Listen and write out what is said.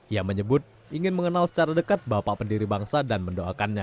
ia menyebut ingin mengenal secara dekat bapak pendiri bangsa dan mendoakannya